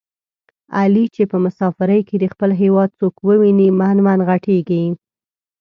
علي چې په مسافرۍ کې د خپل هېواد څوک وویني من من ِغټېږي.